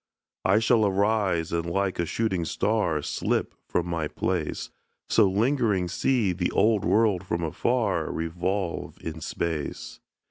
I shall arise, and like a shooting star Slip from my place; So lingering see the old world from afar Revolve in space.